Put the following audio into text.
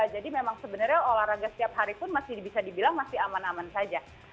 jadi memang sebenarnya olahraga setiap hari pun masih bisa dibilang masih aman aman saja